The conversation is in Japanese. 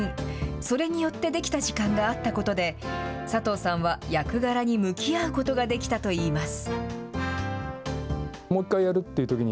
それによって出来た時間があったことで、佐藤さんは役柄に向き合うことができたといいます。